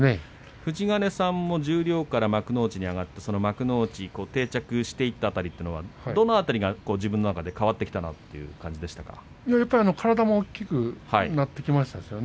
富士ヶ根さんも十両から幕内に上がってその幕内、定着していた辺りというのはどの辺りから自分の中で変わってきたなという体も大きくなってきましたよね。